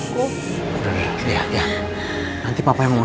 kurangena kita jamannya langsung